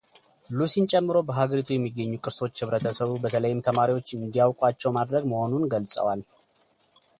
ሉሲን ጨምሮ በሀገሪቱ የሚገኙ ቅርሶች ህብረተሰቡ በተለይም ተማሪዎች እንዲያውቋቸው ማድረግ መሆኑን ገልጸዋል፡፡